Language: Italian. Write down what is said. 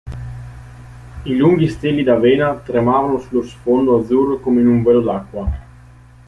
I lunghi steli d'avena tremavano sullo sfondo azzurro come in un velo d'acqua.